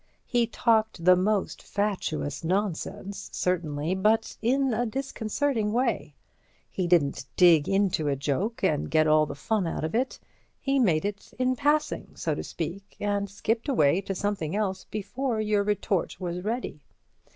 He talked the most fatuous nonsense, certainly, but in a disconcerting way. He didn't dig into a joke and get all the fun out of it; he made it in passing, so to speak, and skipped away to something else before your retort was ready.